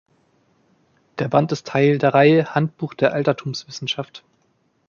Der Band ist Teil der Reihe „Handbuch der Altertumswissenschaft“.